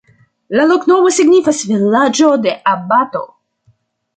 La loknomo signifas: vilaĝo de abato.